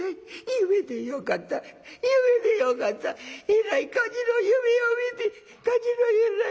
えらい火事の夢を見て火事のえらい」。